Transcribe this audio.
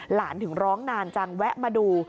ถึงร้องนานจังแวะมาดู